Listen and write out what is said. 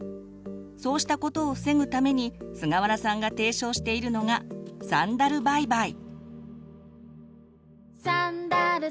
そうしたことを防ぐためにすがわらさんが提唱しているのが「サンダルバイバイ」。